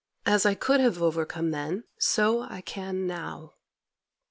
As I could have overcome then, so I can now.